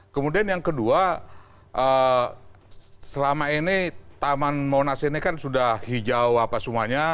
kemudian yang kedua selama ini taman monas ini kan sudah hijau apa semuanya